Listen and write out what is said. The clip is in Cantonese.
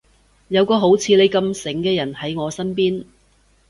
有個好似你咁醒嘅人喺我身邊